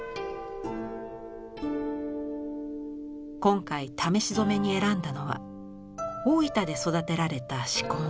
今回試し染めに選んだのは大分で育てられた紫根。